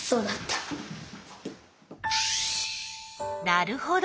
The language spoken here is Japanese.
なるほど。